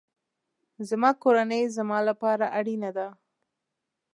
زما کورنۍ زما لپاره اړینه ده